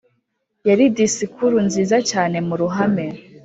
yari disikuru nziza cyane muruhame